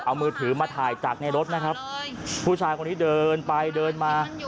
เอามือถือมาถ่ายจากในรถนะครับผู้ชายคนนี้เดินไปเดินมา